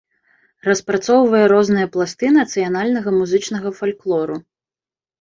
Распрацоўвае розныя пласты нацыянальнага музычнага фальклору.